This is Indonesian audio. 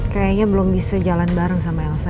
kayaknya belum bisa jalan bareng sama elsa